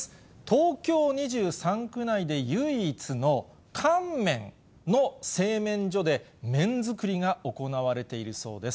東京２３区内で唯一の乾麺の製麺所で麺作りが行われているそうです。